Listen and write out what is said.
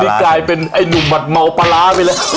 นี่กลายเป็นไอ้หนุ่มหมัดเมาปลาร้าไปเลย